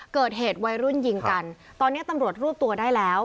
เกิดเหตุวัยรุ่นยิงกันตอนนี้ตำรวจรวบตัวได้แล้ว